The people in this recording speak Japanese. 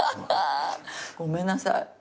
ごめんなさい。